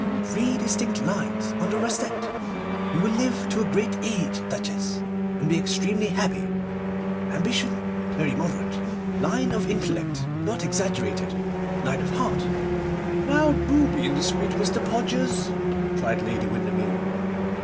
Three distinct lines on the rascette! You will live to a great age, Duchess, and be extremely happy. Ambition—very moderate, line of intellect not exaggerated, line of heart—' 'Now, do be indiscreet, Mr. Podgers,' cried Lady Windermere.